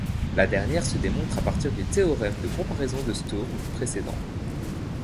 La dernière se démontre à partir du théorème de comparaison de Sturm précédent.